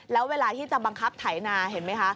แล้วเวลาที่จะบังคับไถนาเห็นไหมคะ